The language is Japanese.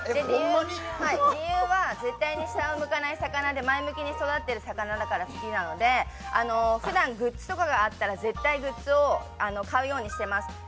理由は絶対に下を向かない魚で前向きに育ってる魚だから好きなので、ふだん、グッズとか合ったら絶対グッズを買うようにしてます。